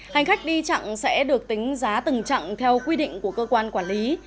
hành khách đi chặng sẽ được tính giá từng chặng theo quy định của cơ quan quản lý